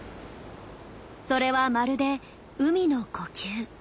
それはまるで海の呼吸。